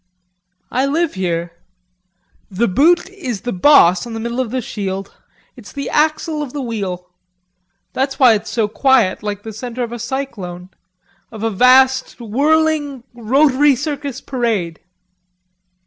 "I live here.... The Butte is the boss on the middle of the shield. It's the axle of the wheel. That's why it's so quiet, like the centre of a cyclone, of a vast whirling rotary circus parade!"